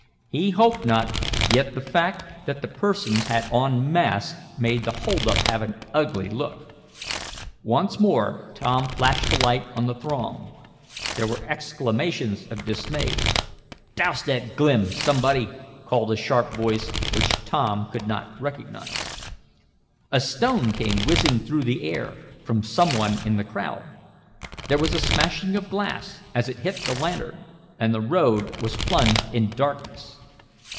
He hoped not, yet the fact that the persons had on masks made the hold up have an ugly look. Once more Tom flashed the light on the throng. There were exclamations of dismay. "Douse that glim, somebody!" called a sharp voice, which Tom could not recognize. A stone came whizzing through the air, from some one in the crowd. There was a smashing of glass as it hit the lantern, and the road was plunged in darkness.